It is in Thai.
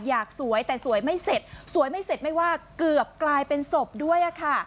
อยากสวยแต่สวยไม่เสร็จสวยไม่เสร็จไม่ว่าเกือบกลายเป็นศพด้วยค่ะ